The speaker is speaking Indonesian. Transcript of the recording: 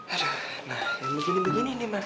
aduh nah yang begini begini nih mas